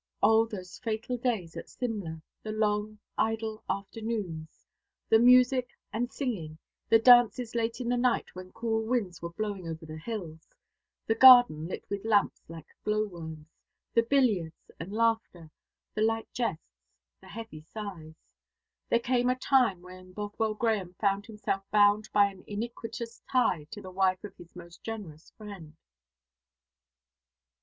O, those fatal days at Simla, the long idle afternoons! The music and singing the dances late in the night when cool winds were blowing over the hills the garden lit with lamps like glowworms the billiards and laughter, the light jests, the heavy sighs. There came a time when Bothwell Grahame found himself bound by an iniquitous tie to the wife of his most generous friend.